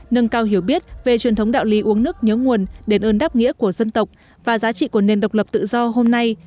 nâng cao hiểu biết về truyền thống đạo lý uống nước nhớ nguồn đền ơn đáp nghĩa của dân tộc và giá trị của nền độc lập tự do hôm nay